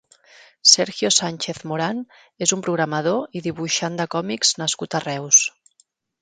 Sergio Sánchez Morán és un programador i dibuixant de còmics nascut a Reus.